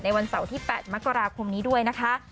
วันเสาร์ที่๘มกราคมนี้ด้วยนะคะ